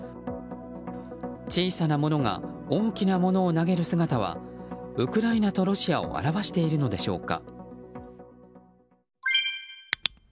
小さな者が大きな者を投げる姿はウクライナとロシアを表しているのでしょうか。